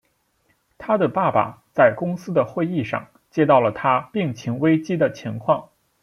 他的爸爸在公司的会议上接到了他病情危机的情况。